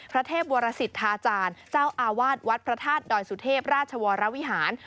เทพวรสิทธาจารย์เจ้าอาวาสวัดพระธาตุดอยสุเทพราชวรวิหาร